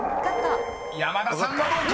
山田さんはどうか？］